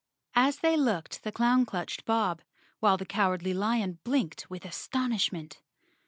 As they looked the clown clutched Bob, while the Cowardly Lion blinked with astonishment.